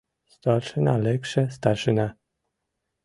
— Старшина лекше, старшина!